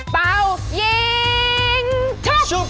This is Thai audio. เป้ายิงชุด